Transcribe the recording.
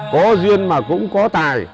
có duyên mà cũng có tài